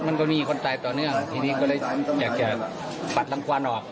มันก็มีคนตายต่อเนื่องทีนี้ก็เลยอยากจะปัดรังควันออก